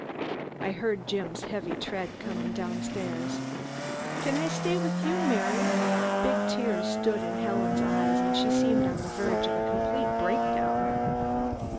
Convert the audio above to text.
I heard Jim's heavy tread coming downstairs. "Can I stay with you, Mary?" Big tears stood in Helen's eyes and she seemed on the verge of a complete breakdown.